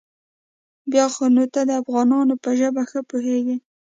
بيا خو نو ته د افغانانو په ژبه ښه پوېېږې.